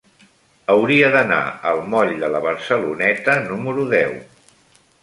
Hauria d'anar al moll de la Barceloneta número deu.